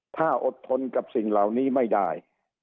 ถ้าอดทนกับสิ่งเหล่านี้ไม่ได้